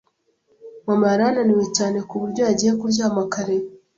Mama yari ananiwe cyane ku buryo yagiye kuryama kare.